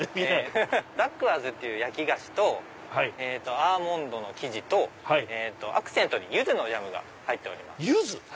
ダックワーズっていう焼き菓子とアーモンドの生地とアクセントにユズのジャムが入っております。